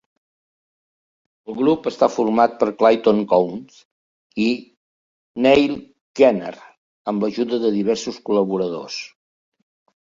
El grup està format per Clayton Counts i Neil Keener, amb l'ajude de diversos col·laboradors.